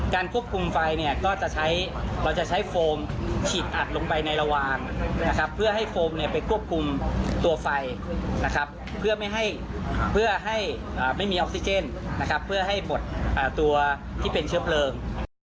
ควบคุมไฟเนี่ยก็จะใช้เราจะใช้โฟมฉีดอัดลงไปในระวางเพื่อให้โฟมไปควบคุมตัวไฟนะครับเพื่อไม่ให้เพื่อให้ไม่มีออกซิเจนนะครับเพื่อให้บดตัวที่เป็นเชื้อเพลิง